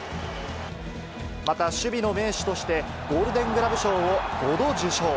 また守備の名手として、ゴールデングラブ賞を５度受賞。